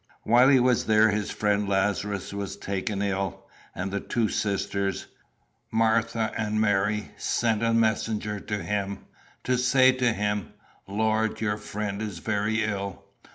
While he was there his friend Lazarus was taken ill; and the two sisters, Martha and Mary, sent a messenger to him, to say to him, 'Lord, your friend is very ill.